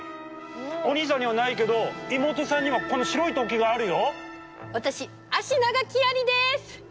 お兄さんにはないけど妹さんにはこの白い突起があるよ！